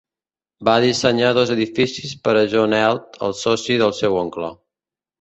Va dissenyar dos edificis per a John Eld, el soci del seu oncle.